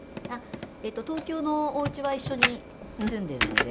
東京のおうちは一緒に住んでるので。